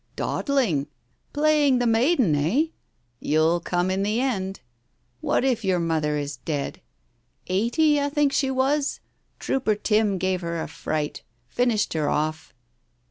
" Dawdling 1 Playing the maiden, eh? You'll come in the end. What if your mother is dead? Eighty, I think she was? Trooper Tim gave her a fright. Finished her off.